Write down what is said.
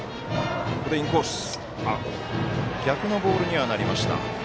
逆のボールにはなりました。